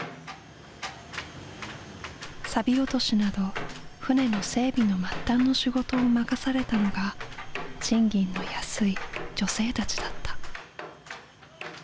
サビ落としなど船の整備の末端の仕事を任されたのが賃金の安い女性たちだった。